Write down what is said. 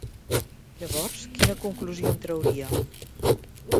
Llavors quina conclusió en trauria?